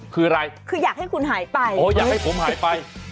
คืออะไรคืออยากให้คุณหายไปโอ้อยากให้ผมหายไป